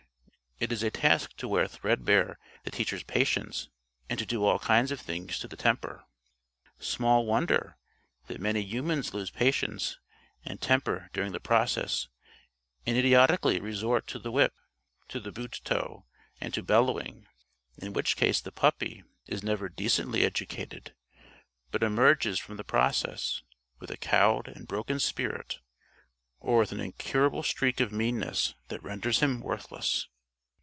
It is a task to wear threadbare the teacher's patience and to do all kinds of things to the temper. Small wonder that many humans lose patience and temper during the process and idiotically resort to the whip, to the boot toe and to bellowing in which case the puppy is never decently educated, but emerges from the process with a cowed and broken spirit or with an incurable streak of meanness that renders him worthless.